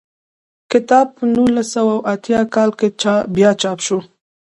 کتاب په نولس سوه اتیا کال کې بیا چاپ شو.